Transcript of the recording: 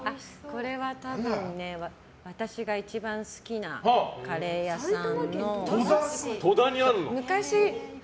これは多分、私が一番好きなカレー屋さんの。